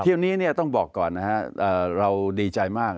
เที่ยวนี้เนี่ยต้องบอกก่อนนะฮะเราดีใจมาก